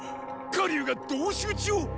火龍が同士討ちを⁉